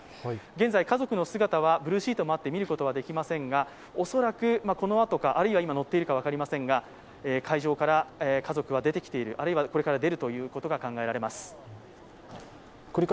現在、家族の姿はブルーシートもあって見ることはできませんが恐らくこのあとか、あるいは今乗っているか分かりませんが、会場から家族が出てきている、あるいはこれから出るということが考えられます。